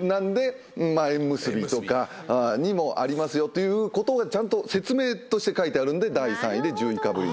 なんで縁結びとかにもありますよということがちゃんと説明として書いてあるんで第３位で１０かぶりになってる。